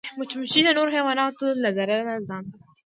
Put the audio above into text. مچمچۍ د نورو حیواناتو له ضرر نه ځان ساتي